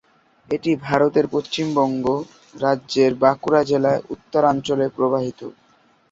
এটি ভারতের পশ্চিমবঙ্গ রাজ্যের বাঁকুড়া জেলার উত্তরাঞ্চলে প্রবাহিত।